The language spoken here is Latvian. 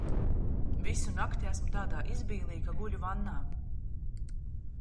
Visu nakti esmu tādā izbīlī, ka guļu vannā.